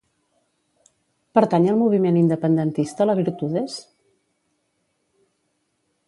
Pertany al moviment independentista la Virtudes?